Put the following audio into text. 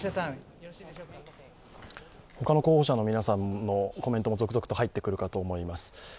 他の候補者の皆さんのコメントも続々と入ってくるかと思います。